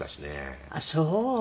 あっそう。